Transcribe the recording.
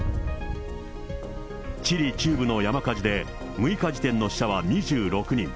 チリ中部の山火事で、６日時点の死者は２６人。